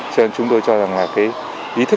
cho nên chúng tôi cho rằng là cái ý thức